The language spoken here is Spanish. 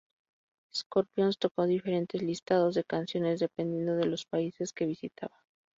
Scorpions tocó diferentes listados de canciones, dependiendo de los países que visitaba.